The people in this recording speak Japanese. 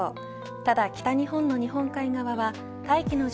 ただ北日本の日本海側は大気の状